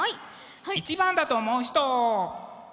１番だと思う人！